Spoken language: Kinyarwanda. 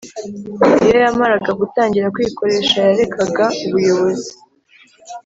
iyo yamaraga gutangira kwikoresha yarekaga ubuyobozi,